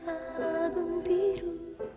gak agung biru